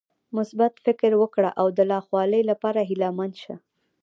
مثبت فکر وکړه او د لا ښوالي لپاره هيله مند شه .